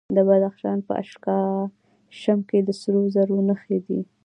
د بدخشان په اشکاشم کې د سرو زرو نښې شته.